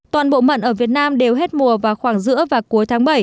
toàn bộ mận ở việt nam đều hết mùa vào khoảng giữa và cuối tháng bảy